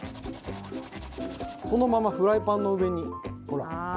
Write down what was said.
このままフライパンの上に、ほら。